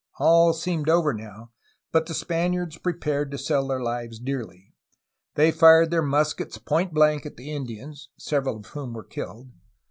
All seemed over now, but the Spaniards prepared to sell their lives dearly. They fired their muskets point blank at the Indians, several of whom were killed.